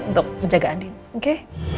untuk menjaga andin oke